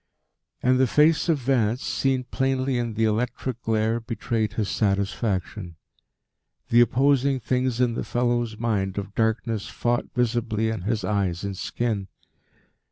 And the face of Vance, seen plainly in the electric glare, betrayed his satisfaction. The opposing things in the fellow's mind of darkness fought visibly in his eyes and skin.